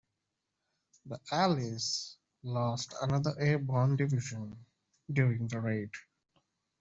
The allies lost another airborne division during the raid.